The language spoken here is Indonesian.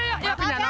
udah pulang ah